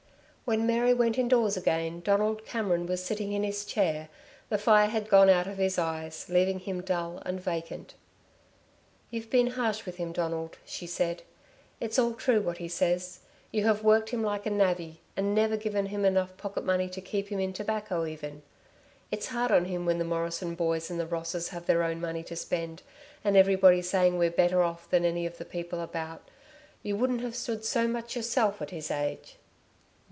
When Mary went indoors again Donald Cameron was sitting in his chair, the fire had gone out of his eyes, leaving him dull and vacant. "You've been harsh with him, Donald," she said. "It's all true what he says. You have worked him like a navvy, and never given him enough pocket money to keep him in tobacco even. It's hard on him when the Morrison boys and the Rosses have their own money to spend, and everybody saying we're better off than any of the people about. You wouldn't have stood so much yourself at his age."